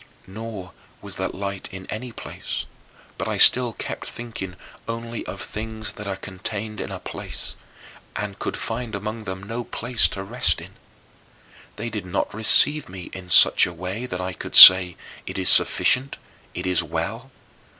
Nor was that light in any place; but I still kept thinking only of things that are contained in a place, and could find among them no place to rest in. They did not receive me in such a way that I could say, "It is sufficient; it is well."